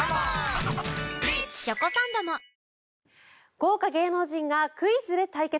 豪華芸能人がクイズで対決。